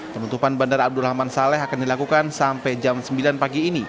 penutupan bandara abdurrahman saleh akan dilakukan sampai jam sembilan pagi ini